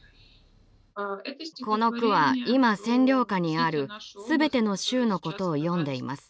この句は今占領下にあるすべての州のことを詠んでいます。